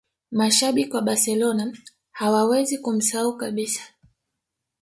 mashabiki wa barcelona hawawezi kumsahau kabisa